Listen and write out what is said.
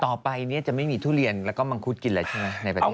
ต่อไปจะไม่มีทุเรียนแล้วก็มังคุ้ดกินละใช่ไหม